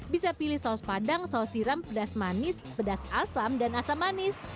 bisa pilih saus padang saus siram pedas manis pedas asam dan asam manis